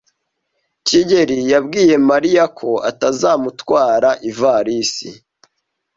kigeli yabwiye Mariya ko atazamutwara ivalisi.